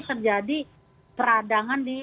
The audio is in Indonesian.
terjadi peradangan di